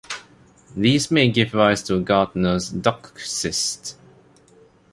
These may give rise to Gartner's duct cysts.